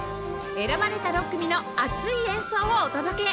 選ばれた６組の熱い演奏をお届け！